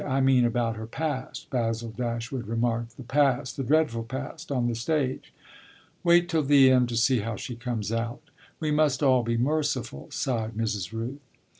I mean about her past," Basil Dashwood remarked. "The past the dreadful past on the stage!" "Wait till the end, to see how she comes out. We must all be merciful!" sighed Mrs. Rooth.